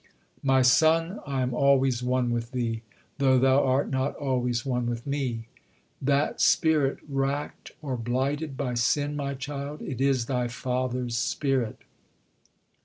My son, I am always one with thee, though thou art not always one with me. That spirit racked or blighted by sin, my child, it is thy Father's spirit.